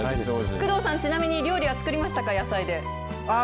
工藤さん、ちなみに料理は作りましたか？